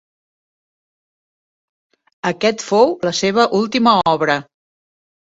Aquest fou la seva última obra.